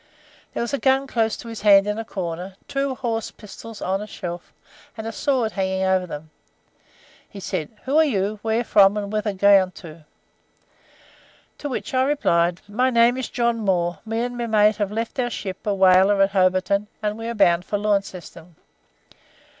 There was a gun close to his hand in a corner, two horse pistols on a shelf, and a sword hanging over them. He said: 'Who are you, where from, and whither bound?' to which I replied: "'My name is John Moore; me and my mate have left our ship, a whaler, at Hobarton, and we are bound for Launceston.'